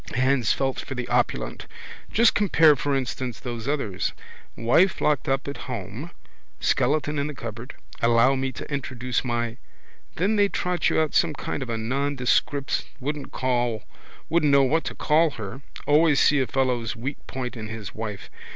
Hands felt for the opulent. Just compare for instance those others. Wife locked up at home, skeleton in the cupboard. Allow me to introduce my. Then they trot you out some kind of a nondescript, wouldn't know what to call her. Always see a fellow's weak point in his wife.